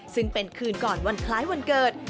ซึ่งเป็นคืนก่อนวันคล้ายวันเกิด